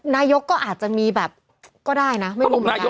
นายกก็อาจจะมีแบบก็ได้นะ